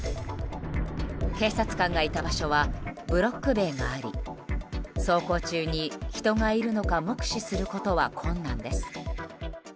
警察官がいた場所はブロック塀があり走行中に人がいるのか目視することは困難です。